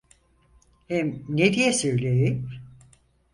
Hem ne diye söyleyeyim?